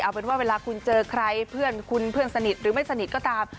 เอาเป็นว่าเวลาคุณเจอใครเพื่อนคุณเพื่อนสนิทหรือไม่สนิทก็ตาม